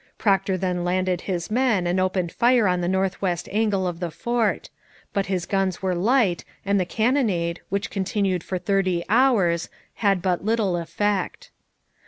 Procter then landed his men and opened fire on the north west angle of the fort; but his guns were light, and the cannonade, which continued for thirty hours, had but little effect.